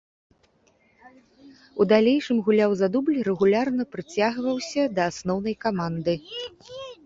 У далейшым гуляў за дубль, рэгулярна прыцягваўся да асноўнай каманды.